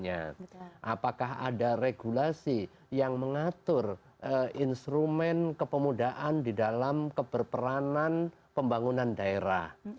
apakah ada regulasi yang mengatur instrumen kepemudaan di dalam keberperanan pembangunan daerah